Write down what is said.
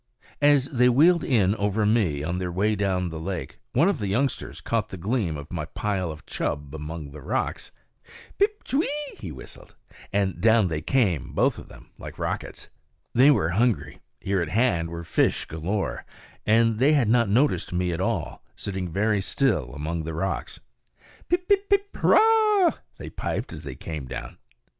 As they wheeled in over me on their way down the lake, one of the youngsters caught the gleam of my pile of chub among the rocks. Pip, ch'weee! he whistled, and down they came, both of them, like rockets. They were hungry; here at hand were fish galore; and they had not noticed me at all, sitting very still among the rocks. Pip, pip, pip, hurrah! they piped as they came down.